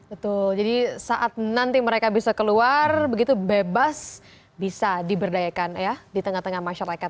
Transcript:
betul jadi saat nanti mereka bisa keluar begitu bebas bisa diberdayakan ya di tengah tengah masyarakat